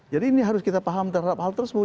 jadi ini harus kita paham terhadap hal tersebut